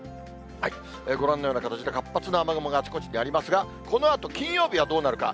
ご覧のような形で、活発な雨雲があちこちにありますが、このあと金曜日はどうなるか。